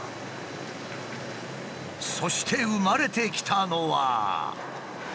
そして生まれてきたのは。